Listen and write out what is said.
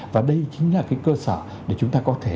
và đây chính là cái cơ sở để chúng ta có thể